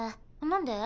何で？